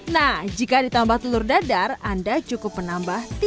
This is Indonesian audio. nah jika ditambah telur dadar anda cukup menambah